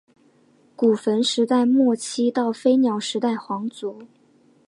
古坟时代末期到飞鸟时代皇族。